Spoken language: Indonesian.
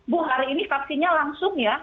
bu hari ini vaksinnya langsung ya